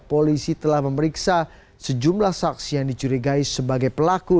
polisi telah memeriksa sejumlah saksi yang dicurigai sebagai pelaku